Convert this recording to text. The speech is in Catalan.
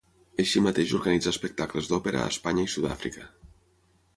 Així mateix organitzà espectacles d'òpera a Espanya i Sud-àfrica.